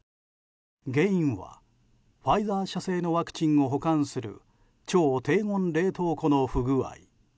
原因は、ファイザー社製のワクチンを保管する超低温冷凍庫の不具合。